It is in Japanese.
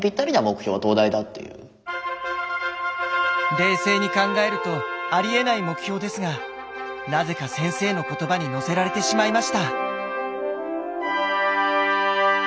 冷静に考えるとありえない目標ですがなぜか先生の言葉に乗せられてしまいました。